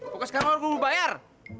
pokoknya sekarang warga udah bayar